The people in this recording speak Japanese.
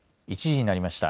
１時になりました。